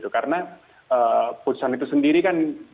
karena putusan itu sendiri kan